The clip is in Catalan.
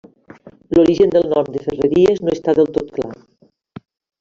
L'origen del nom de Ferreries no està del tot clar.